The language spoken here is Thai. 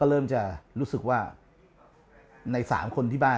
เริ่มรู้สึกว่าใน๓คน